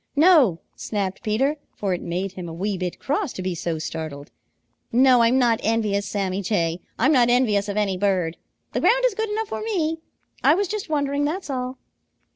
"No!" snapped Peter, for it made him a wee bit cross to be so startled. "No, I'm not envious, Sammy Jay. I'm not envious of any bird. The ground is good enough for me. I was just wondering, that's all."